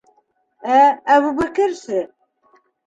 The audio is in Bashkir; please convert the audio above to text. Ә Әбүбәкерсе?